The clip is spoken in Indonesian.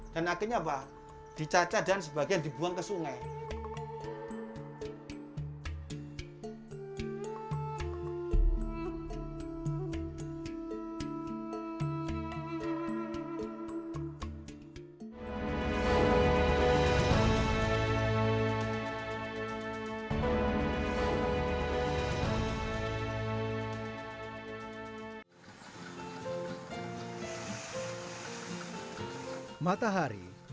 dan akhirnya apa dicacah dan sebagian dibuang ke sungai